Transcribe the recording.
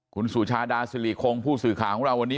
คุณสุชาดาสิริคงผู้สื่อข่าวของเราวันนี้